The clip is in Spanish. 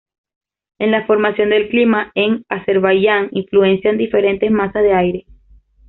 En la formación del clima en Azerbaiyán influencian diferentes masas de aire.